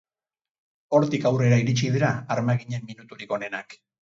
Hortik aurrera iritsi dira armaginen minuturik onenak.